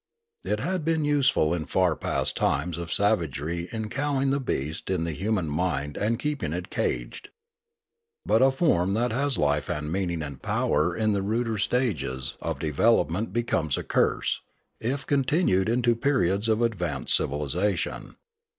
It had been useful in far past times of savagery in cowing the beast in the hu man mind and keeping it caged. But a form that has life and meaning and power in the ruder stages of de velopment becomes a curse, if continued into periods of advanced civilisation.